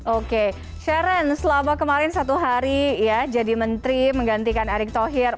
oke sharon selama kemarin satu hari ya jadi menteri menggantikan erick thohir